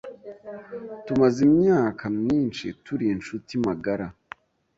Tumaze imyaka myinshi turi inshuti magara.